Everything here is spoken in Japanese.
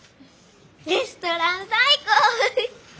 レストラン最高！